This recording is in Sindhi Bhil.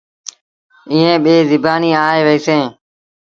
ائيٚݩ ٻيٚن زبآنيٚن آئي وهيٚسيٚݩ۔